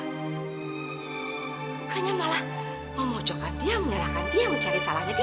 bukannya malah memojokkan dia mengalahkan dia mencari salahnya dia